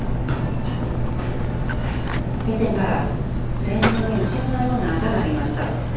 以前から全身に打ち身のようなあざがありました。